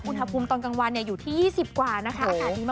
อุณหภูมิตอนกลางวันเนี่ยอยู่ที่๒๐กว่านะคะ